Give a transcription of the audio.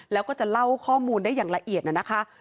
แล้วก็จะเล่าข้อมูลได้อย่างละเอียดนะคะ